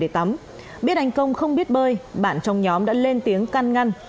để tắm biết anh công không biết bơi bạn trong nhóm đã lên tiếng căn ngăn